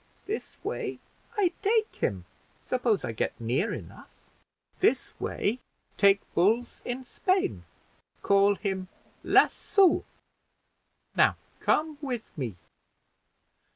"This way I take him, suppose I get near enough. This way take bulls in Spain; call him Lasso. Now come with me."